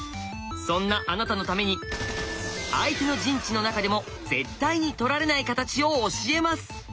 そんなあなたのために相手の陣地の中でも絶対に取られない形を教えます。